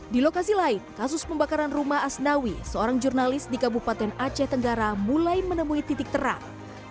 di lokasi lain kasus pembakaran rumah asnawi seorang jurnalis di kabupaten aceh tenggara mulai menemui titik terang